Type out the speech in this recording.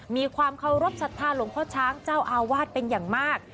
มีความเคารพสัทธาหลวงพ่อช้างเจ้าอาวาสเป็นอย่างมาก